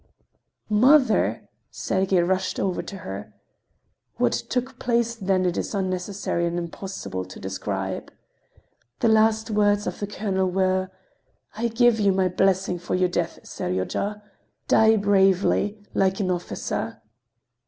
"Mother!" Sergey rushed over to her. What took place then it is unnecessary and impossible to describe... . The last words of the colonel were: "I give you my blessing for your death, Seryozha. Die bravely, like an officer."